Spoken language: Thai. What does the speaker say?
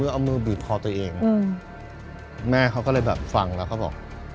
เอามือบีบคอตัวเองแม่เขาก็เลยแบบฟังแล้วก็บอก